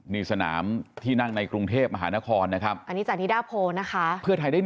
นี่สนามที่นั่งในกรุงเทพฯมหานครนะครอันนี้จากนิดาโพนะคะเพื่อใครได้๑อ่ะ